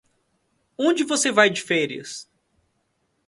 Onde você vai de férias?